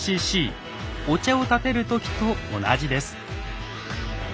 お茶をたてる時と同じです。